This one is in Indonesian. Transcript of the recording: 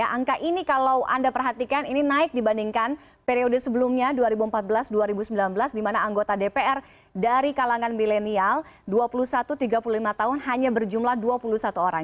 angka ini kalau anda perhatikan ini naik dibandingkan periode sebelumnya dua ribu empat belas dua ribu sembilan belas di mana anggota dpr dari kalangan milenial dua puluh satu tiga puluh lima tahun hanya berjumlah dua puluh satu orang